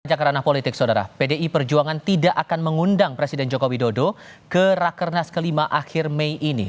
pada jangka ranah politik pdi perjuangan tidak akan mengundang presiden jokowi dodo ke rakernas kelima akhir mei ini